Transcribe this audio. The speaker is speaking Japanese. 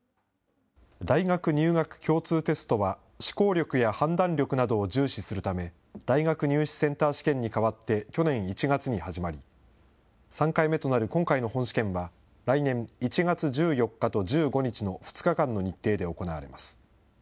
大学入学共通テストは、思考力や判断力などを重視するため、大学入試センター試験に代わって去年１月に始まり、３回目となる今回の本試験は、来年１月１４日と１５日の２日間の日程で行われます。